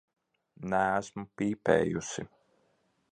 Neesmu pīpējusi.